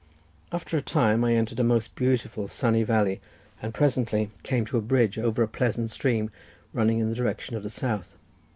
After a time, I entered a most beautiful sunny valley, and presently came to a bridge over a pleasant stream running in the direction of the south.